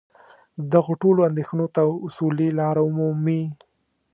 دغو ټولو اندېښنو ته اصولي لاره ومومي.